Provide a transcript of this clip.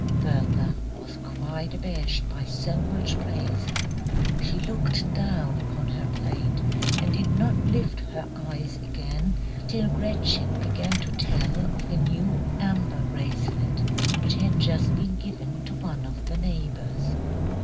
Bertha was quite abashed by so much praise. She looked down upon her plate and did not lift her eyes again till Gretchen began to tell of a new amber bracelet which had just been given to one of the neighbours.